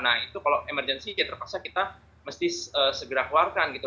nah itu kalau emergency ya terpaksa kita mesti segera keluarkan gitu